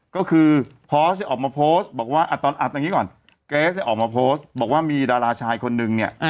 ก็คือพอสจะออกมาโพสต์บอกว่าอ่ะตอนอัดตรงนี้ก่อนแก๊สจะออกมาโพสต์บอกว่ามีดาราชายคนหนึ่งเนี้ยเออ